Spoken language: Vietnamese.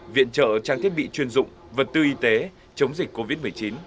viện trợ trang thiết bị chuyên dụng vật tư y tế chống dịch covid một mươi chín